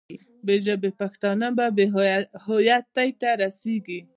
بې ژبې پښتانه به بې هویتۍ ته رسېږي.